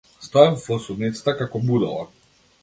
Стоев во судницата како будала.